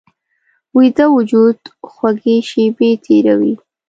ویده وجود خوږې شیبې تېروي